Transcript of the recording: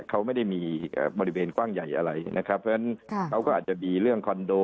เขาไม่ได้มีบริเวณกว้างใหญ่อะไรนะครับเพราะฉะนั้นเขาก็อาจจะมีเรื่องคอนโด